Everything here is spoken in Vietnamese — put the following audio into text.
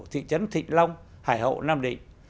thị trấn thịnh long hải hậu nam định